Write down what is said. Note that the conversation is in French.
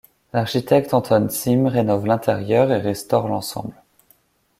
L'architecte Anton Tsim rénove l'intérieur et restaure l'ensemble.